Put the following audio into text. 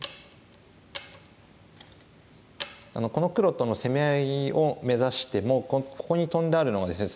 この黒との攻め合いを目指してもここにトンであるのがですね